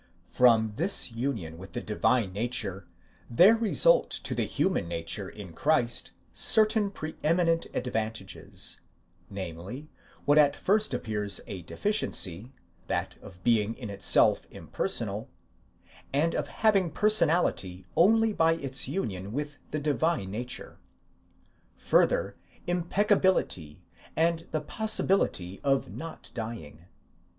From this union with the divine nature, there result to the human nature in Christ certain pre eminent advantages: namely, what at first appears a deficiency, that of being in itself impersonal, and of having personality only by its union with the divine nature; further, impeccability, and the possibility of not dying.